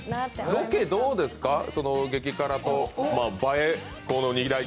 ロケどうですか、激辛と。